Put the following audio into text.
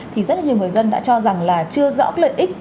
thì rất nhiều người dân đã cho rằng là chưa rõ lợi ích